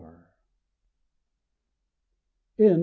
THE END.